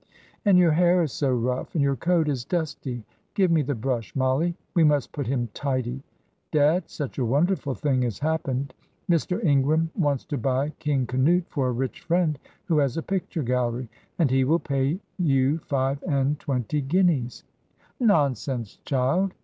And your hair is so rough, and your coat is dusty. Give me the brush, Mollie. We must put him tidy. Dad, such a wonderful thing has happened. Mr. Ingram wants to buy King Canute 'for a rich friend who has a picture gallery,' and he will pay you five and twenty guineas." "Nonsense, child!"